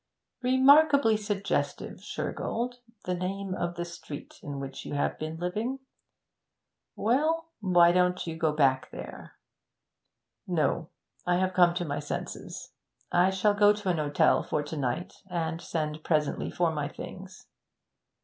'Remarkably suggestive, Shergold, the name of the street in which you have been living. Well, you don't go back there?' 'No. I have come to my senses. I shall go to an hotel for to night, and send presently for all my things.'